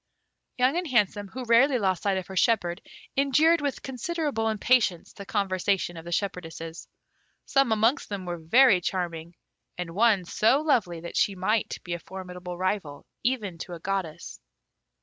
Young and Handsome, who rarely lost sight of her shepherd, endured with considerable impatience the conversation of the shepherdesses. Some amongst them were very charming, and one so lovely that she might be a formidable rival even to a goddess.